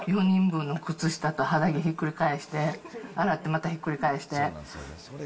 ４人分の靴下と肌着ひっくり返して、洗ってまたひっくり返して。